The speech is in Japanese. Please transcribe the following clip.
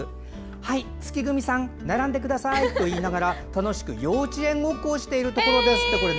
はい、つきぐみさん並んでくださいと言いながら楽しく幼稚園ごっこをしているところです。